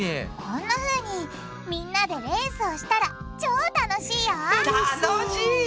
こんなふうにみんなでレースをしたら超楽しいよ楽しい！